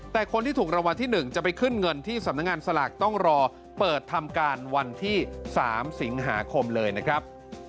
แต่คนที่ถูกรางวัลที่๑จะไปขึ้นเงินที่สำนักงานสลากต้องรอเปิดทำการวันที่๓สิงหาคมเลยนะครับ